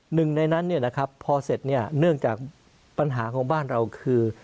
หนึ่งในนั้นเนี่ยนะครับพอเสร็จเนี่ยเนื่องจากปัญหาของบ้านเราคือ